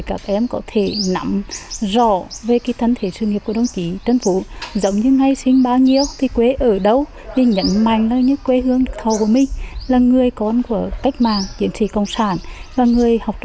các em cố gắng học tập và đưa vào cái hâm ngụ của đảng